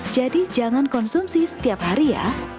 jadi jangan konsumsi setiap hari ya